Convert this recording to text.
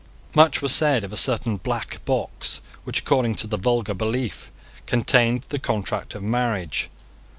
Much was said of a certain black box which, according to the vulgar belief, contained the contract of marriage.